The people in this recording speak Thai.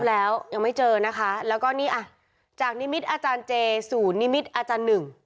แล้วยังไม่เจอนะคะแล้วก็นี่อ่ะจากนิมิตอาจารย์เจศูนย์นิมิตรอาจารย์หนึ่ง